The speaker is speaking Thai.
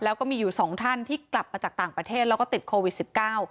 แล้วก็มีอยู่สองท่านที่กลับมาจากต่างประเทศแล้วก็ติดโควิดสิบเก้า